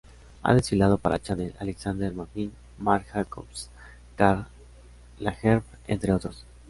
Ha desfilado para Chanel, Alexander McQueen, Marc Jacobs, Karl Lagerfeld, entre otros.